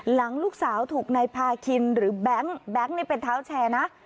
หลังลูกสาวถูกนายพาคินหรือแบงค์แบงค์นี่เป็นเท้าแชร์นะ